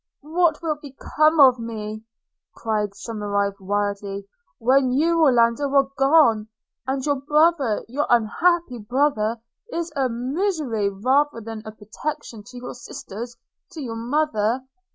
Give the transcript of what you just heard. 'What will become of me,' cried Somerville wildly, 'when you, Orlando, are gone? – And your brother, your unhappy brother! is a misery rather than a protection to your sisters, to your mother